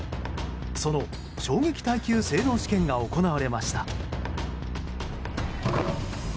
その衝撃耐久性能試験が行われました。